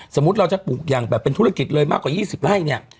สมมุติเราจะปลูกอย่างแบบเป็นธุรกิจเลยมากกว่า๒๐ไร่เนี่ย